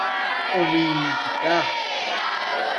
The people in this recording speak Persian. امیدبخش